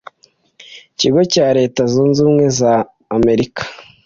Ikigo cya Leta Zunze Ubumwe za Amerika